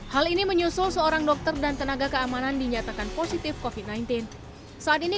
hal ini menyusul seorang dokter dan tenaga keamanan dinyatakan positif kofit sembilan belas saat ini